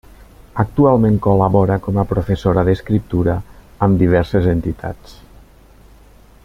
Actualment col·labora com a professora d'escriptura amb diverses entitats.